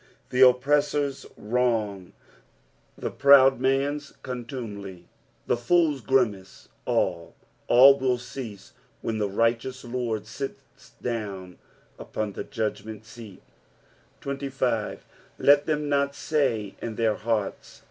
The oppressors' wrong, the proud man's contumely, the fool's gnmace — all, all will cease when the righteous Lord sits down upon the judgment seaL 2 5. " Let than not tay in their heart*.